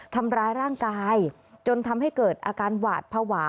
ทำร้ายร่างกายจนทำให้เกิดอาการหวาดภาวะ